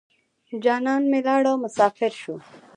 جانان مې ولاړو مسافر شو.